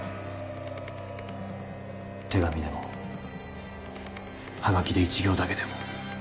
手紙でも葉書で一行だけでも